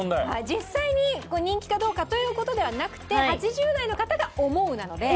実際に人気かどうかという事ではなくて「８０代の方が思う」なので。